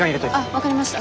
分かりました。